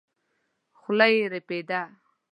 خوله يې رپېده.